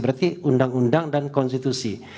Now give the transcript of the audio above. berarti undang undang dan konstitusi